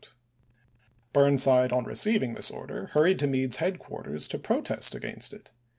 Burnside on receiving this order hurried to Meade's headquarters to protest against it.